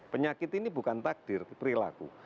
penyakit ini bukan takdir perilaku